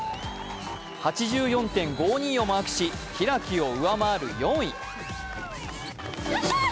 ８４．５２をマークし、開を上回る４位。